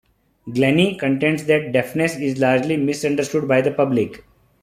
Glennie contends that deafness is largely misunderstood by the public.